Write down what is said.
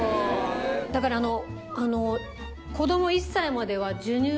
だからあの。